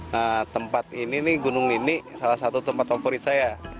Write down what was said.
nah tempat ini nih gunung nini salah satu tempat favorit saya